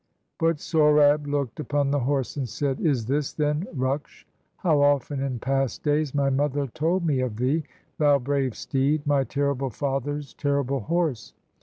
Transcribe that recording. But Sohrab look'd upon the horse and said: —" Is this, then, Ruksh? How often, in past days, My mother told me of thee, thou brave steed, My terrible father's terrible horse!